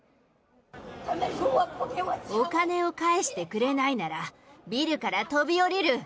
お金を返してくれないなら、ビルから飛び降りる！